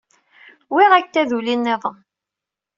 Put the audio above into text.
Wwiɣ-ak-d taduli-nniḍen.